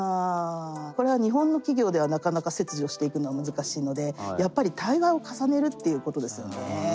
これは日本の企業ではなかなか切除していくのは難しいのでやっぱり対話を重ねるっていうことですよね。